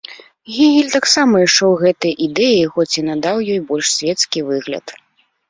Гегель таксама ішоў гэтай ідэі, хоць і надаў ёй больш свецкі выгляд.